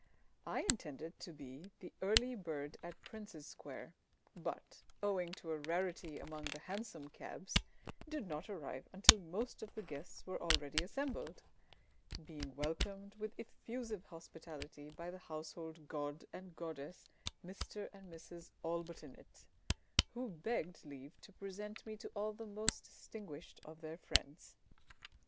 I intended to be the early bird at Prince's Square, but, owing to a rarity among the hansom cabs, did not arrive until most of the guests were already assembled, being welcomed with effusive hospitality by the household god and goddess, Mr and Mrs ALLBUTT INNETT, who begged leave to present to me all the most distinguished of their friends.